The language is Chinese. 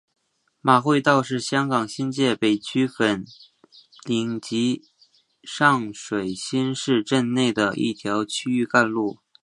马会道是香港新界北区粉岭及上水新市镇内的一条区域干路。